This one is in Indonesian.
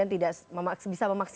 itu akan lebih teruk